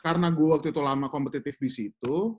karena gue waktu itu lama kompetitif di situ